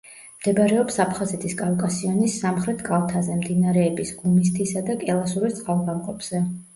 მდებარეობს აფხაზეთის კავკასიონის სამხრეთ კალთაზე, მდინარეების გუმისთისა და კელასურის წყალგამყოფზე.